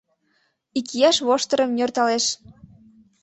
Икияш воштырым нӧрталеш.